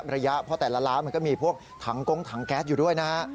ระยะเพราะแต่ละร้านมันก็มีพวกถังโก๊งถังแก๊สอยู่ด้วยนะฮะ